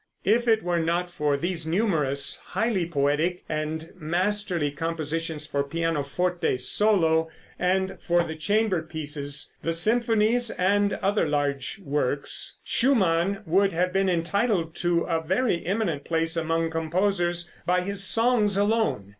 If it were not for these numerous, highly poetic and masterly compositions for pianoforte solo, and for the chamber pieces, the symphonies and other large works, Schumann would have been entitled to a very eminent place among composers by his songs alone.